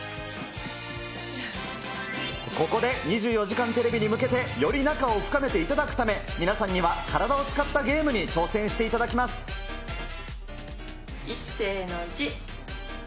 ここで、２４時間テレビに向けて、より仲を深めていただくため、皆さんには、体を使ったゲームにいっせーのいち！